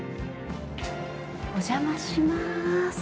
お邪魔します。